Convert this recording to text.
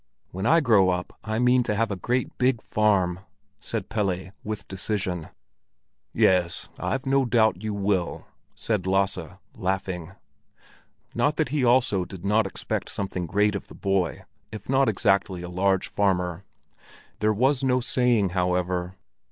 "When I grow up, I mean to have a great big farm," said Pelle, with decision. "Yes, I've no doubt you will," said Lasse, laughing. Not that he also did not expect something great of the boy, if not exactly a large farmer. There was no saying, however.